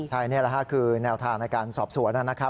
ใช่นี่แหละค่ะคือแนวทางในการสอบสวนนะครับ